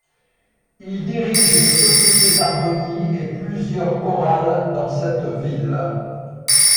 Il dirige une société d'harmonie et plusieurs chorales dans cette ville.